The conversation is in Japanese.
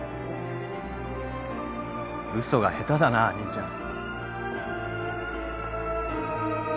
嘘が下手だな兄ちゃん。